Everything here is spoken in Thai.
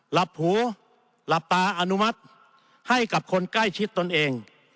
หลับหูหลับตาอนุมัติให้กับคนใกล้ชิดตนเอง